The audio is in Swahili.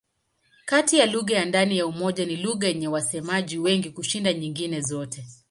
Kati ya lugha ndani ya Umoja ni lugha yenye wasemaji wengi kushinda nyingine zote.